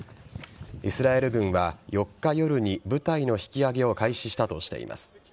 イスラエル軍は４日夜に部隊の引き揚げを開始したとしています。